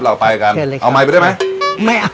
เราไปกันเขินเลยครับเอาไมค์ไปด้วยไหมไม่เอา